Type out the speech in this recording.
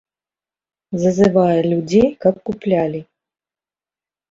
Зазывае людзей, каб куплялі.